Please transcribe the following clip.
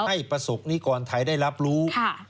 ประสบนิกรไทยได้รับรู้